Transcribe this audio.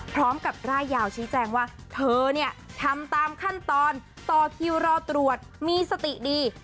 กร่ายยาวชี้แจงว่าเธอเนี่ยทำตามขั้นตอนต่อคิวรอตรวจมีสติดี